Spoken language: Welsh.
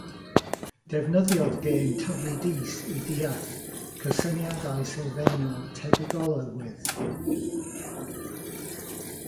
Defnyddiodd gêm taflu dis i ddeall cysyniadau sylfaenol tebygolrwydd.